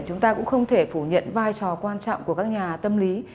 chúng ta cũng không thể phủ nhận vai trò quan trọng của các nhà tâm lý